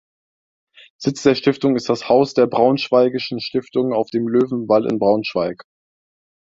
Sitz der Stiftung ist das "Haus der Braunschweigischen Stiftungen" auf dem Löwenwall in Braunschweig.